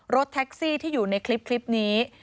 รถแท็กซี่ที่อยู่ในคลิปนี้